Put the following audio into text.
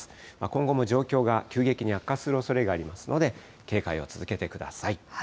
今後も状況が急激に悪化するおそれがありますので、警戒を続けてください。